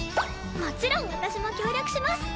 もちろん私も協力します！